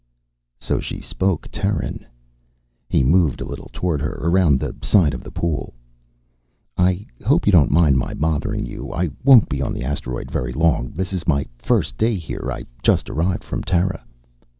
So she spoke Terran! He moved a little toward her, around the side of the pool. "I hope you don't mind my bothering you. I won't be on the asteroid very long. This is my first day here. I just arrived from Terra."